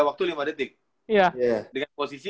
waktu lima detik dengan posisi